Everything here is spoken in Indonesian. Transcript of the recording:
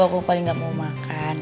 aku paling gak mau makan